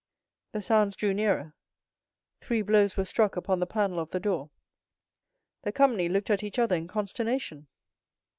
The sounds drew nearer. Three blows were struck upon the panel of the door. The company looked at each other in consternation.